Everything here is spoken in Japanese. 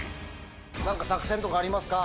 なんか、作戦とかありますか？